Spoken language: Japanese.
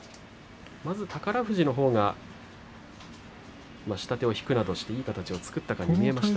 まずは立ち合い右四つで宝富士のほうが下手を引くなどして、いい形を作ったかに見えました。